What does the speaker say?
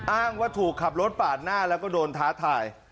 อ้างว่าถูกขับรถปาดหน้าแล้วก็โดนท้าทาย